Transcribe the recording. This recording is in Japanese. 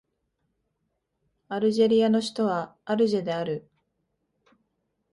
アルジェリアの首都はアルジェである